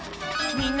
みんな！